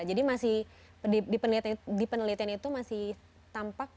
jadi di penelitian itu masih tampak kuman